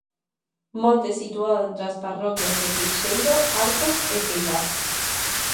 Monte situado entre as parroquias de Queixeiro, Arcos e Peibás.